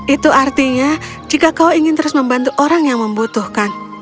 itu artinya jika kau ingin terus membantu orang yang membutuhkan